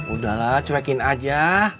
udah lah cuekin aja